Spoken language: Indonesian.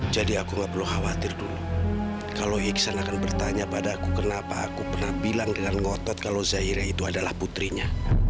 jadi aku nggak perlu khawatir dulu kalau iksan akan bertanya pada aku kenapa aku pernah bilang dengan ngotot kalau zahirah itu adalah putrinya